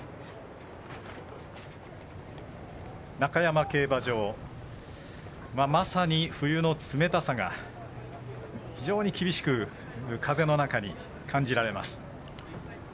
中山競馬場、まさに冬の冷たさが非常に厳しく風の中に感じられます。